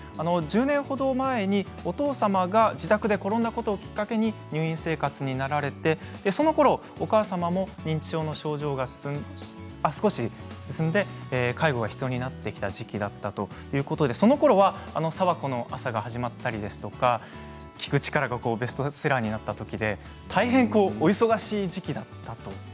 １０年ほど前にお父様が自宅で転んだことをきっかけに入院生活になられてそのころお母様も認知症の症状が少し進んで介護が必要になってきた時期だったということでそのころは「サワコの朝」が始まったりですとか「聞く力」がベストセラーになったときで大変お忙しい時期だったと。